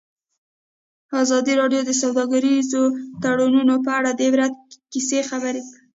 ازادي راډیو د سوداګریز تړونونه په اړه د عبرت کیسې خبر کړي.